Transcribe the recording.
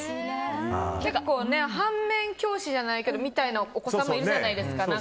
結構、反面教師じゃないけどそれみたいなお子さんもいるじゃないですか。